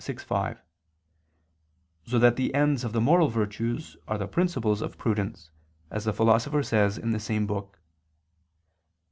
vi, 5); so that the ends of the moral virtues are the principles of prudence, as the Philosopher says in the same book.